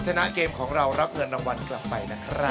ชนะเกมของเรารับเงินรางวัลกลับไปนะครับ